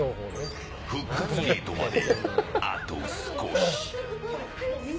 復活ゲートまであと少し。